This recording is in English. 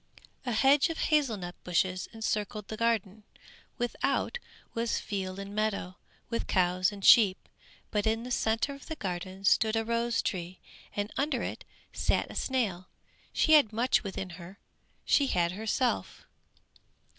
A hedge of hazel nut bushes encircled the garden; without was field and meadow, with cows and sheep; but in the centre of the garden stood a rose tree, and under it sat a snail she had much within her, she had herself.